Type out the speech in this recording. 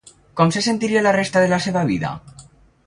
Com se sentiria la resta de la seva vida?